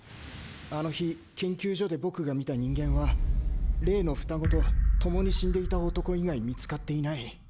あの日研究所で僕が見た人間は例の双子と共に死んでいた男以外見つかっていない。